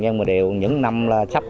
nhưng mà điều những năm là chấp